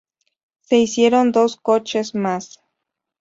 Se hicieron dos coches más.